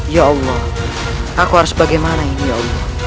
ya allah aku harus bagaimana ini ya allah